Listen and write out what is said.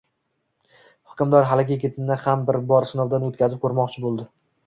Hukmdor haligi yigitni ham bir bor sinovdan o`tkazib ko`rmoqchi bo`ldi